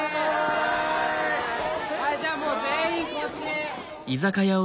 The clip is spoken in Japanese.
はいじゃあもう全員こっち。